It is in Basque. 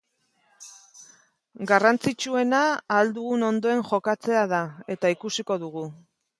Garrantzitsuena ahal dugun ondoen jokatzea da, eta ikusiko dugu.